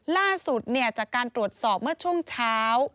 ล่าสุดจากการตรวจสอบเมื่อช่วงเช้า